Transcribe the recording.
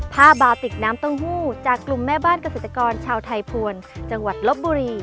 ผ้าบาติกน้ำเต้าหู้จากกลุ่มแม่บ้านเกษตรกรชาวไทยภวรจังหวัดลบบุรี